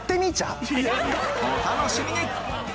お楽しみに！